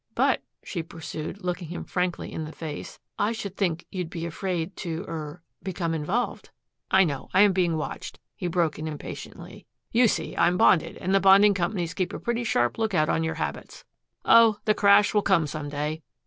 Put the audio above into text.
"But," she pursued, looking him frankly in the face, "I should think you'd be afraid to er become involved " "I know I am being watched," he broke in impatiently. "You see, I'm bonded, and the bonding companies keep a pretty sharp lookout on your habits. Oh, the crash will come some day.